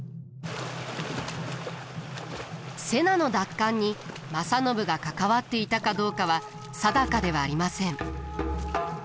瀬名の奪還に正信が関わっていたかどうかは定かではありません。